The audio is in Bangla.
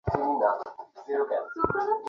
দশটার মধ্যে এয়ারপোর্টে যাব।